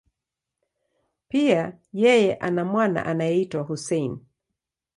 Pia, yeye ana mwana anayeitwa Hussein.